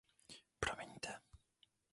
Promiňte.